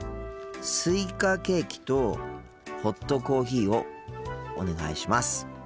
スイカケーキとホットコーヒーをお願いします。